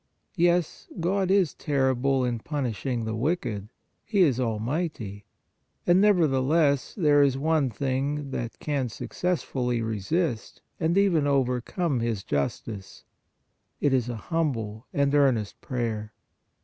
Yes, God is terrible in punishing the wicked; He is al mighty; and, nevertheless, there is one thing that 32 PRAYER can .successfully resist, and even overcome His jus tice. It is an humble and earnest prayer.